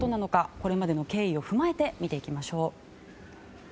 これまでの経緯を踏まえて見ていきましょう。